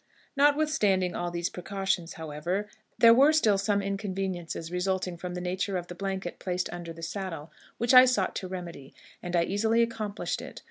"Notwithstanding all these precautions, however, there were still some inconveniences resulting from the nature of the blanket placed under the saddle, which I sought to remedy, and I easily accomplished it.